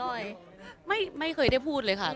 บางทีเค้าแค่อยากดึงเค้าต้องการอะไรจับเราไหล่ลูกหรือยังไง